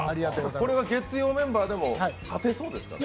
これは月曜メンバーでも勝てそうですかね？